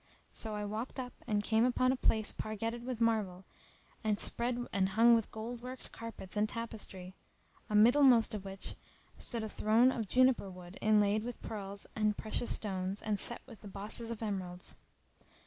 So I walked up and came upon a place pargetted with marble and spread and hung with gold worked carpets and tapestry, amiddlemostof which stood a throne of juniper wood inlaid with pearls and precious stones and set with bosses of emeralds.